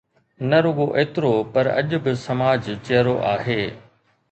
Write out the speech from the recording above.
نه رڳو ايترو پر اڄ به سماج جيئرو آهي.